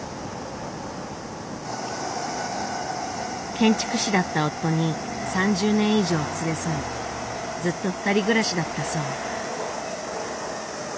建築士だった夫に３０年以上連れ添いずっと２人暮らしだったそう。